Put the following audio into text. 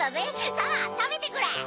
さぁたべてくれ！